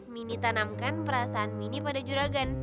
mini tanamkan perasaan mini pada juragan